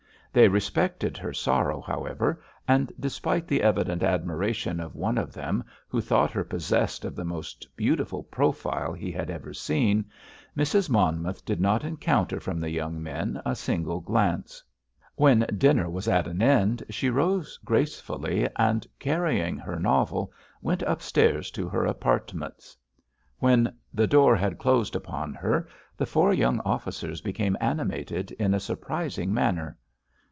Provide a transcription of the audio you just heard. They respected her sorrow, however, and, despite the evident admiration of one of them, who thought her possessed of the most beautiful profile he had ever seen, Mrs. Monmouth did not encounter from the young men a single glance. When dinner was at an end she rose gracefully, and, carrying her novel, went upstairs to her apartments. When the door had closed upon her the four young officers became animated in a surprising manner.